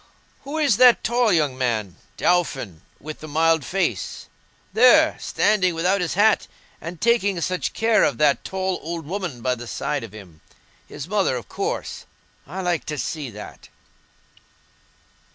Who is that tall young man, Dauphin, with the mild face? There, standing without his hat, and taking such care of that tall old woman by the side of him—his mother, of course. I like to see that."